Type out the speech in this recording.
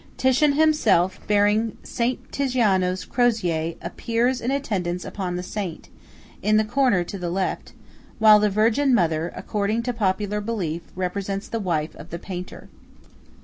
Titian himself, bearing S. Tiziano's crozier, appears in attendance upon the saint, in the comer to the left; while the Virgin mother, according to popular belief, represents the wife of the painter.